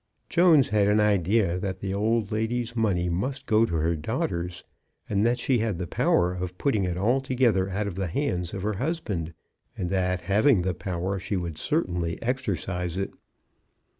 Jones had an idea that the old lady's money must go to her daughters, that she had the power of putting it altogether out of the hands of her husband, and that having the power she would certainly exercise it.